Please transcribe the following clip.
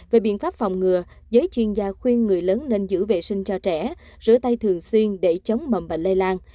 về biện pháp phòng ngừa giới chuyên gia khuyên người lớn nên giữ vệ sinh cho trẻ rửa tay thường xuyên để chống mầm bệnh lây lan